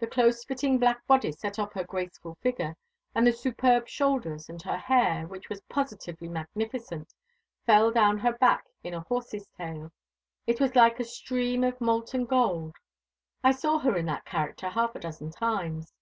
The close fitting black bodice set off her graceful figure, and her superb shoulders, and her hair, which was positively magnificent, fell down her back in a horse's tail. It was like a stream of molten gold. I saw her in that character half a dozen times.